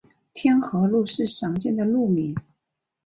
天河路是常见的路名。